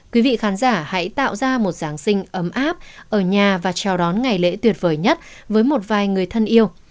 quý vị khán giả hãy tạo ra một giáng sinh ấm áp ở nhà và chào đón ngày lễ tuyệt vời nhất với một vài người thân yêu